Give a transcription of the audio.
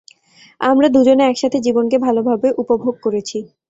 আমরা দুজনে একসাথে জীবনকে ভালোভাবে উপভোগ করেছি।